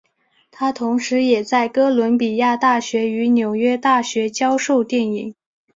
他同时也在哥伦比亚大学与纽约大学教授电影。